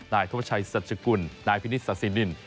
นายธวรรมชายสัชกุลนายพินิสสาธินินทร์